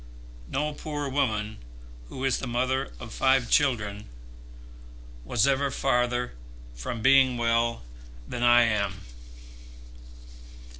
No poor woman, who is the mother of five children, was ever farther from being well than I am."